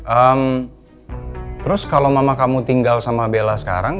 ehm terus kalau mama kamu tinggal sama bella sekarang